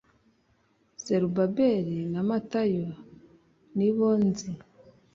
zerubabeli na matayo nibo nzi